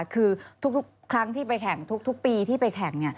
คือทุกครั้งที่ไปแข่งทุกปีที่ไปแข่ง